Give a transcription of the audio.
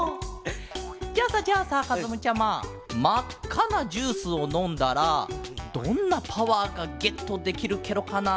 じゃあさじゃあさかずむちゃままっかなジュースをのんだらどんなパワーがゲットできるケロかな？